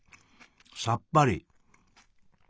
さっぱり！